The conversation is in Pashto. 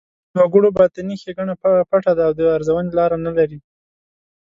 د وګړو باطني ښېګڼه پټه ده او د ارزونې لاره نه لري.